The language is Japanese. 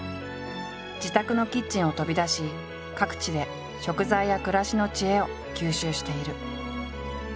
自宅のキッチンを飛び出し各地で食材や暮らしの知恵を吸収している。